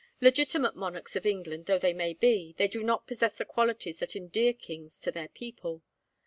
Legitimate monarchs of England though they may be, they do not possess the qualities that endear kings to their people.